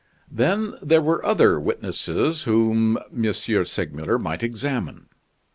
Then there were other witnesses whom M. Segmuller might examine.